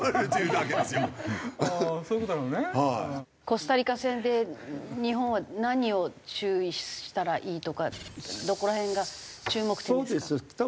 コスタリカ戦で日本は何を注意したらいいとかどこら辺が注目点ですか？